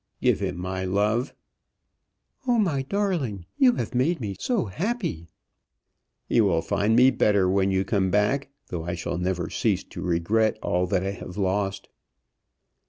"Give him my love." "Oh, my darling! you have made me so happy." "You will find me better when you come back, though I shall never cease to regret all that I have lost."